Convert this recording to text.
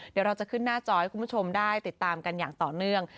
เดี๋ยวเราจะขึ้นหน้าจอให้คุณผู้ชมได้ติดตามกันอย่างต่อเนื่อง